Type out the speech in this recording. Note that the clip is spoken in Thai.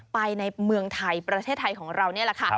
ในเมืองไทยประเทศไทยของเรานี่แหละค่ะ